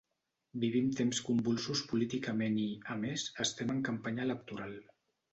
Vivim temps convulsos políticament i, a més, estem en campanya electoral.